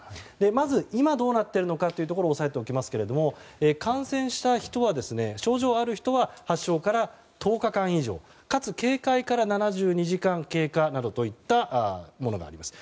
まず今どうなっているのかというところを押さえておきますと感染して症状がある人は発症から１０日間以上かつ警戒から７２時間経過などといったものがあります。